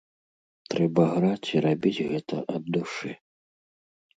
Трэба граць і рабіць гэта ад душы.